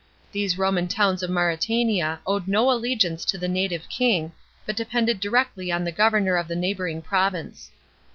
These Roman townb of Jk£ JL'Jtenia owed no allegiance to the native king, but depended direc^y on the governor of the neighbouring province.